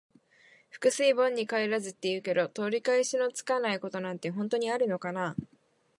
「覆水盆に返らず」って言うけど、取り返しのつかないことなんて本当にあるのかな。